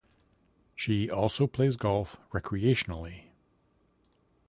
She also plays golf recreationally.